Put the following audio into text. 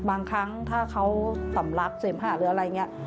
บางครั้งถ้าเขาสำลักเสมหาหรืออะไรอย่างนี้